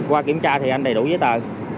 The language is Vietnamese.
qua kiểm tra thì anh đầy đủ giấy tờ